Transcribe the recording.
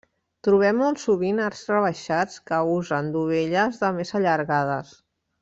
Trobem molt sovint arcs rebaixats que usen dovelles de més allargades.